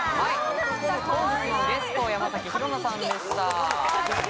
本日のゲスト山崎紘菜さんでした。